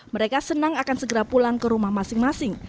mereka senang akan segera pulang ke rumah masing masing